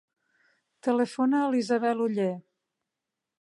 Telefona a l'Isabel Olle.